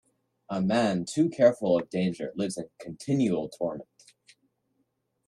A man too careful of danger lives in continual torment.